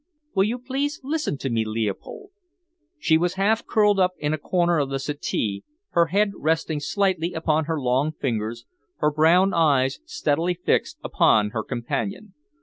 "Will you please listen to me, Leopold?" She was half curled up in a corner of the settee, her head resting slightly upon her long fingers, her brown eyes steadily fixed upon her companion.